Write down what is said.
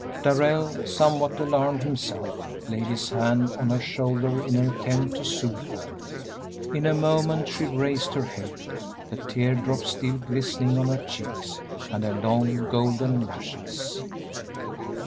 Darrell, somewhat alarmed himself, laid his hand on her shoulder in an attempt to soothe her. In a moment she raised her head, the tear drops still glistening on her cheeks and her long golden lashes.